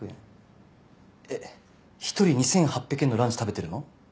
えっ１人２、８００円のランチ食べてるの？